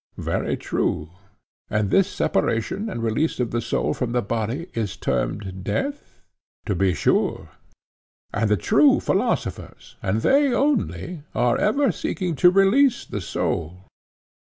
Very true, he said. And this separation and release of the soul from the body is termed death? To be sure, he said. And the true philosophers, and they only, are ever seeking to release the soul.